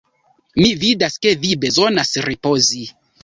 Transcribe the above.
Mi vidas ke vi bezonas ripozi!